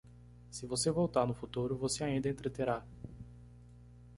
Se você voltar no futuro, você ainda entreterá